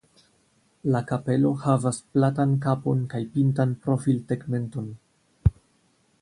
La kapelo havas platan kapon kaj pintan profiltegmenton.